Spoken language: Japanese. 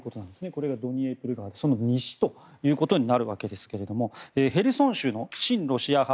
これがドニエプル川でその西ということになるわけですがヘルソン州の親ロシア派